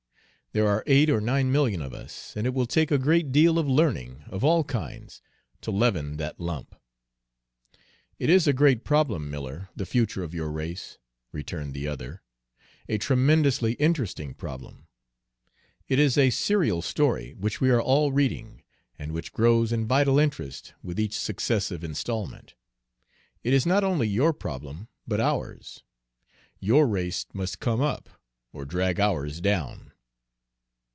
There are eight or nine million of us, and it will take a great deal of learning of all kinds to leaven that lump." "It is a great problem, Miller, the future of your race," returned the other, "a tremendously interesting problem. It is a serial story which we are all reading, and which grows in vital interest with each successive installment. It is not only your problem, but ours. Your race must come up or drag ours down."